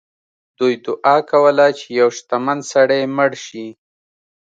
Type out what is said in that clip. دوی دعا کوله چې یو شتمن سړی مړ شي.